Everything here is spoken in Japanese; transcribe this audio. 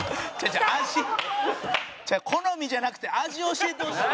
違う好みじゃなくて味教えてほしい。